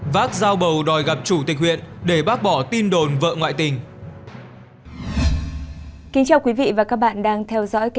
vác dao bầu đòi gặp chủ tịch huyện để bác bỏ tin đồn vợ ngoại tình